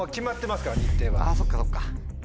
あぁそっかそっか。